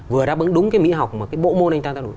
vừa đáp ứng đúng cái mỹ học mà cái bộ môn anh ta theo đuổi